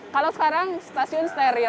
kalau sekarang stasiun stereo